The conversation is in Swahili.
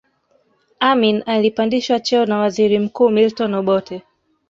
Amin alipandishwa cheo na waziri mkuu Milton Obote